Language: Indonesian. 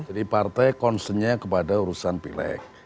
jadi partai concernnya kepada urusan pilek